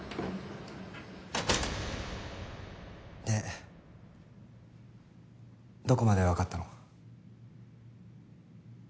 でどこまでわかったの？